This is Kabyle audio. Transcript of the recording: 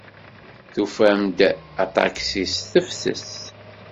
Tufam-d aṭaksi s tefses.